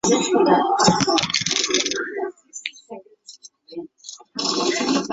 分位数将一个随机变量的概率分布范围分为几个具有相同概率的连续区间。